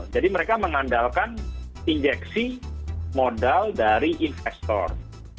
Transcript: jadi mereka mengandalkan injeksi modal dari investor